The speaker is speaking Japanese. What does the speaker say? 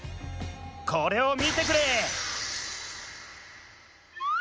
これをみてくれ！